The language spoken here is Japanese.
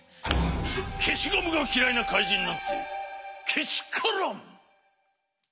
けしゴムがきらいなかいじんなんてけしからん！